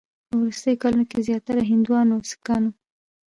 په وروستیو کلونو کې زیاتره هندوانو او سیکانو